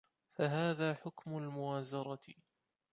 فَهَذَا حُكْمُ الْمُؤَازَرَةِ